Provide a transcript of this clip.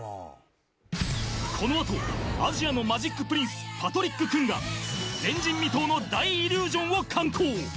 この後アジアのマジックプリンスパトリック・クンが前人未踏の大イリュージョンを敢行。